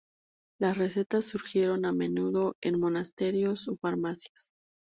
Las recetas surgieron a menudo en monasterios o farmacias.